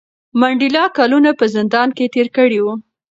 منډېلا کلونه په زندان کې تېر کړي وو.